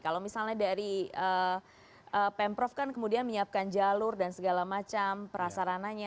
kalau misalnya dari pemprov kan kemudian menyiapkan jalur dan segala macam prasarananya